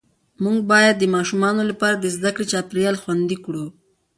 موږ باید د ماشومانو لپاره د زده کړې چاپېریال خوندي کړو